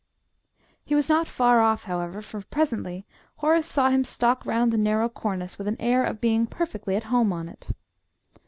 He was not far off, however, for presently Horace saw him stalk round the narrow cornice with an air of being perfectly at home on it.